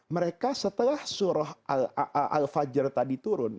mereka setelah surah al fajr tadi turun